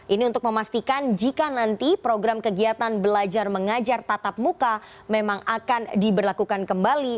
ini untuk memastikan jika nanti program kegiatan belajar mengajar tatap muka memang akan diberlakukan kembali